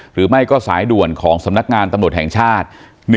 หรือไม่ก็สายด่วนของสำนักงานตำรวจแห่งชาติ